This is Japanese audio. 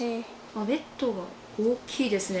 ベッド大きいですね。